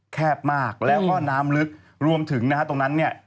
แคบมากแล้วก็น้ำลึกรวมถึงนะฮะตรงนั้นเนี่ย